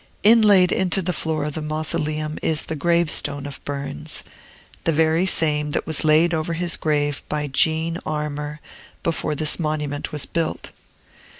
Inlaid into the floor of the mausoleum is the gravestone of Burns, the very same that was laid over his grave by Jean Armour, before this monument was built.